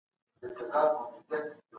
هر څوک بايد له ګاونډي سره مرسته وکړي.